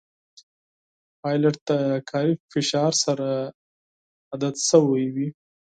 پیلوټ د کاري فشار سره عادت شوی وي.